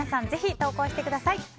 ぜひ投稿してください。